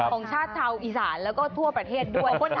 ของชาติชาวอีสานแล้วก็ทั่วประเทศด้วย